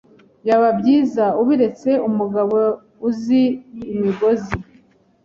Byaba byiza ubiretse umugabo uzi imigozi.